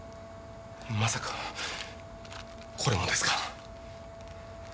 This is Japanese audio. まさかこれもですか？